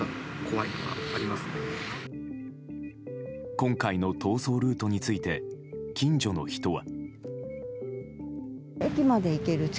今回の逃走ルートについて近所の人は。